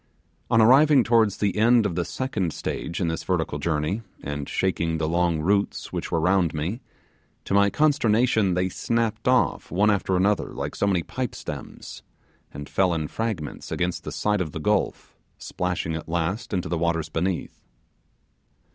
On arriving towards the end of the second stage in this vertical journey, and shaking the long roots which were round me, to my consternation they snapped off one after another like so many pipe stems, and fell in fragments against the side of the gulf, splashing at last into the waters beneath.